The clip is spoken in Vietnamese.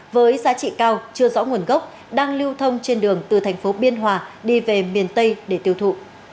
với giá trị cao chưa rõ nguồn gốc đang lưu thông trên đường từ thành phố biên hòa đi về miền tây để tiêu thụ